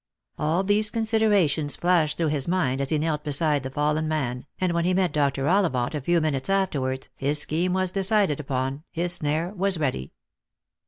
All these considerations flashed through his mind 1 as he knelt beside the fallen man, and when he met Dr. Olli vant a few minutes afterwards, his scheme was decided upon, his snare was ready.